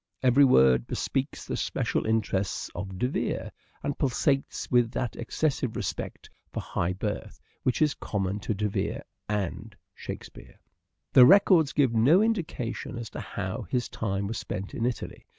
Every word bespeaks the special interests of De Vere, and pulsates with that excessive respect for high birth which is common to De Vere and " Shakespeare." Oxford » pj^ recor(js gjve no indication as to how his time was spent in Italy.